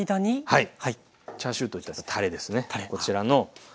はい。